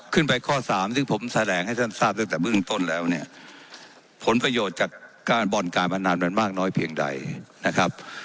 ข้อสามซึ่งผมแสดงให้ท่านทราบตั้งแต่เบื้องต้นแล้วเนี่ยผลประโยชน์จากการบ่อนการพนันมันมากน้อยเพียงใดนะครับ